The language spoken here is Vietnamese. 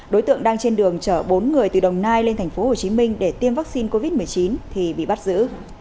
đối tượng đang trên đường chở bốn người từ đồng nai lên tp hcm để tiêm vaccine covid một mươi chín thì bị bắt giữ